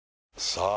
さあ